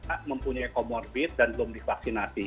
mereka mempunyai komorbid dan belum divaksinasi